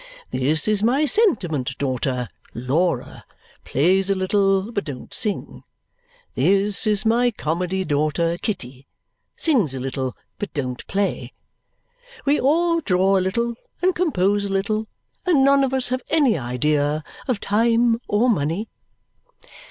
This is my Sentiment daughter, Laura plays a little but don't sing. This is my Comedy daughter, Kitty sings a little but don't play. We all draw a little and compose a little, and none of us have any idea of time or money."